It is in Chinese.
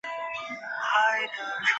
食管憩室主要影响成年人。